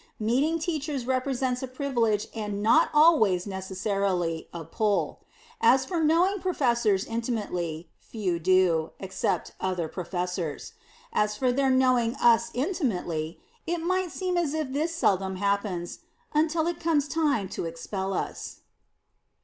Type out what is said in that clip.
Meeting Teachers represents a privilege and not always necessarily a pull. As for knowing Professors intimately, few do, except other Professors. As for their knowing us intimately, it might seem as if this seldom happens, until it comes time to expel us.